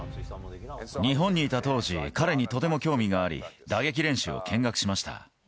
日本にいた当時、彼にとても興味があり、打撃練習を見学しました。